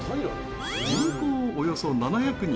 人口およそ７００人。